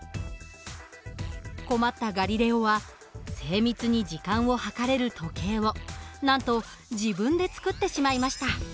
困ったガリレオは精密に時間を計れる時計をなんと自分で作ってしまいました。